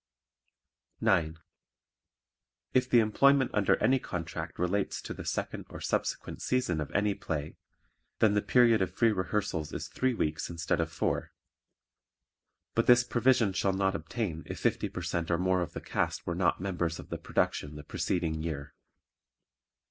9. If the employment under any contract relates to the second or subsequent season of any play then the period of free rehearsals is three weeks instead of four, but this provision shall not obtain if 50 per cent or more of the cast were not members of the production the preceding year.